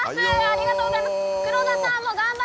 ありがとうございます。